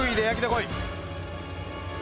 こい！